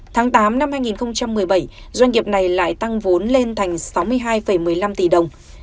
tháng tám năm hai nghìn một mươi bảy doanh nghiệp này lại tăng vốn lên thành sáu mươi hai một mươi năm tỷ đồng